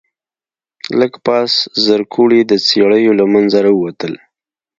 لږ پاس زرکوړي د څېړيو له منځه راووتل.